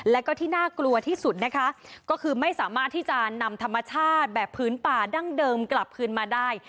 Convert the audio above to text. แล้วก็ที่น่ากลัวที่สุดนะคะก็คือไม่สามารถที่จะนำธรรมชาติแบบพื้นป่าดั้งเดิมกลับคืนมาได้